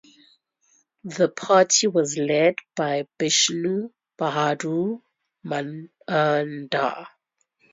The party was led by Bishnu Bahadur Manandhar.